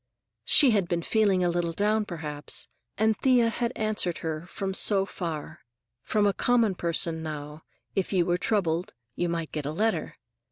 She had been feeling a little down, perhaps, and Thea had answered her, from so far. From a common person, now, if you were troubled, you might get a letter.